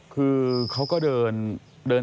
คือเขาก็เดิน